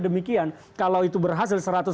demikian kalau itu berhasil